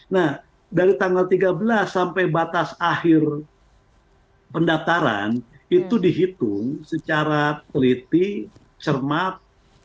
nah dari tanggal tiga belas sampai batas akhir pendaftaran itu dihitung secara teliti cermat